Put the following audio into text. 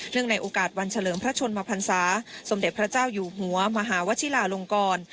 ในโอกาสวันเฉลิมพระชนมพันศาสมเด็จพระเจ้าอยู่หัวมหาวชิลาลงกร